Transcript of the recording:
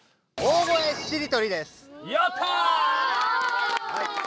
やった！